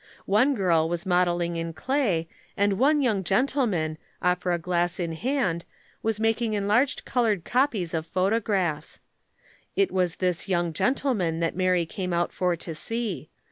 One girl was modelling in clay, and one young gentleman, opera glass in hand, was making enlarged colored copies of photographs. It was this young gentleman that Mary came out for to see.